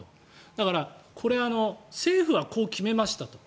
だから、政府はこう決めましたと。